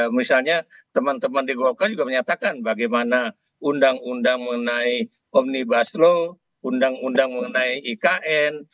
misalnya teman teman di golkar juga menyatakan bagaimana undang undang mengenai omnibus law undang undang mengenai ikn